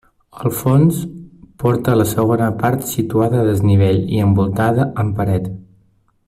Al fons, porta a la segona part situada a desnivell i envoltada amb paret.